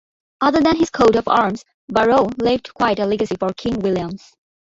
Other than his coat of arms, Barrow left quite a legacy for King William's.